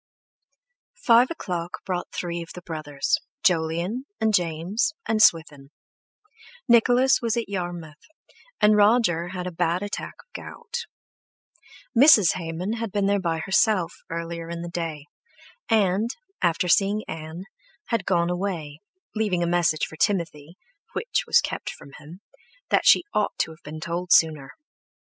Five o'clock brought three of the brothers, Jolyon and James and Swithin; Nicholas was at Yarmouth, and Roger had a bad attack of gout. Mrs. Hayman had been by herself earlier in the day, and, after seeing Ann, had gone away, leaving a message for Timothy—which was kept from him—that she ought to have been told sooner.